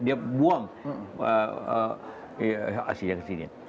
dia buang asia ke sini